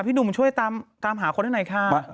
พี่หนุ่มช่วยตามหาคนให้หน่อยค่ะ